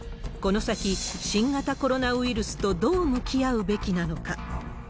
この先、新型コロナウイルスとどう向き合うべきなのか。